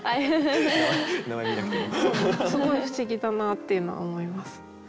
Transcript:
すごい不思議だなっていうのは思います。